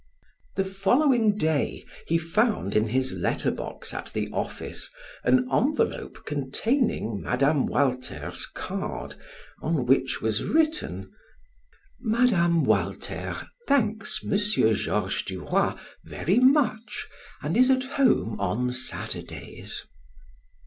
The following day he found in his letter box at the office an envelope containing Mme, Walter's card on which was written: "Mme. Walter thanks M. Georges Duroy very much, and is at home on Saturdays."